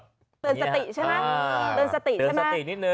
เตินสติใช่ไหม